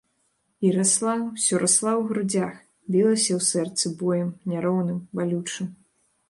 І расла, усё расла ў грудзях, білася ў сэрцы боем няроўным, балючым.